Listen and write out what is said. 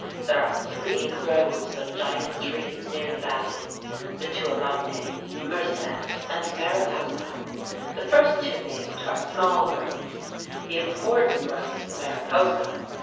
There are three groves of giant trees near the valley the Tuolumne, Merced, and Mariposa. The first two named are small groves. The important grove is the Mariposa.